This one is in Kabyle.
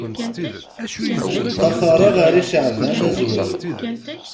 Ṭṭafareɣ arriCaɛban Azwaw.